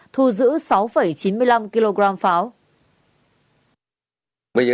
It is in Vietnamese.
thu giữ sáu chín mươi năm kg pháo